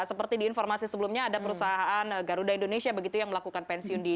seperti di informasi sebelumnya ada perusahaan garuda indonesia begitu yang melakukan pensiun di